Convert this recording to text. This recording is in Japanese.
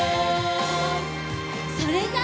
それじゃあ。